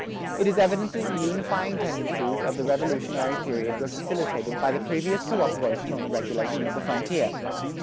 It is evident that the unifying tendencies of the Revolutionary period were facilitated by the previous coöperation in the regulation of the frontier.